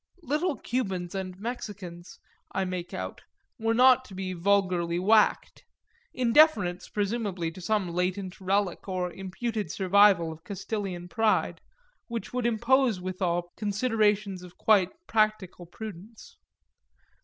Little Cubans and Mexicans, I make out, were not to be vulgarly whacked in deference, presumably, to some latent relic or imputed survival of Castilian pride; which would impose withal considerations of quite practical prudence.